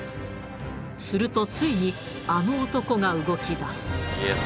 するとついにあの男が動き出す。